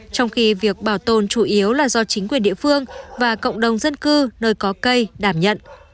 trong khi việc bảo tồn chủ yếu là do chính quyền địa phương và cộng đồng dân cư nơi có cây đảm nhận